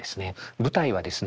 舞台はですね